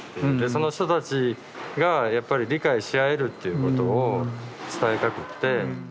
その人たちがやっぱり理解し合えるっていうことを伝えたくって。